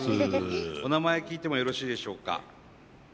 お名前聞いてもよろしいでしょうか？